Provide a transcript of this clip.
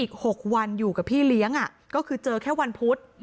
อีก๖วันอยู่กับพี่เลี้ยงก็คือเจอแค่วันพุธ